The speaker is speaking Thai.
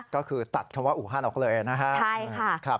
ก็คือตัดคำว่าอูฮันออกเลยนะครับ